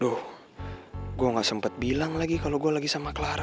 loh gue gak sempat bilang lagi kalau gue lagi sama clara